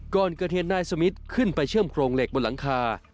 ก่อนเกิดเหตุนายสมิทขึ้นไปเชื่อมโครงเหล็กบนหลังคา